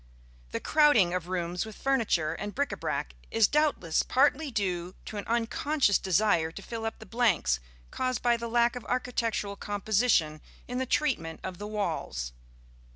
The crowding of rooms with furniture and bric à brac is doubtless partly due to an unconscious desire to fill up the blanks caused by the lack of architectural composition in the treatment of the walls.